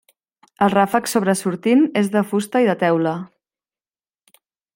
El ràfec sobresortint és de fusta i de teula.